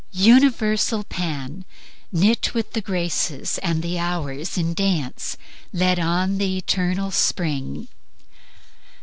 Universal Pan, Knit with the Graces and the Hours in dance, Led on the eternal spring."